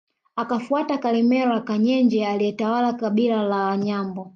Akafuata Kalemera Kanyenje aliyetawala kabila la Wanyambo